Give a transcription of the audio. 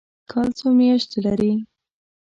کال څو میاشتې لري؟